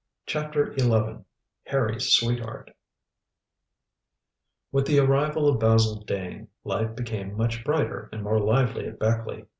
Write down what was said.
CHAPTER XI HARRY'S SWEETHEART With the arrival of Basil Dane, life became much brighter and more lively at Beckleigh.